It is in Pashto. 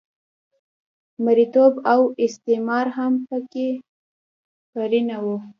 مریتوب او استثمار هم په کې پرېنه و.